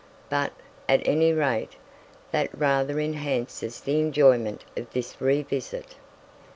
But, at any rate, that rather enhances the enjoyment of this re visit.